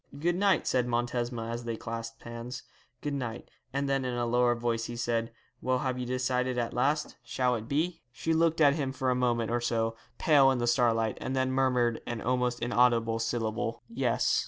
'Good night,' said Montesma, as they clasped hands; 'good night;' and then in a lower voice he said, 'Well, have you decided at last? Shall it be?' She looked at him for a moment or so, pale in the starlight, and then murmured an almost inaudible syllable. 'Yes.'